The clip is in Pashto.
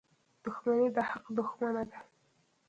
• دښمني د حق دښمنه ده.